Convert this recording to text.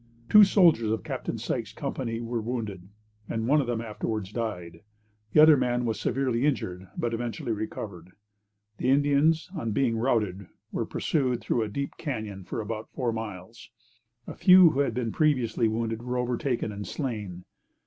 Two soldiers of Captain Sykes's company were wounded, and one of them afterwards died. The other man was severely injured, but eventually recovered. The Indians, on being routed, were pursued through a deep cañon for about four miles. A few who had been previously wounded were overtaken and slain.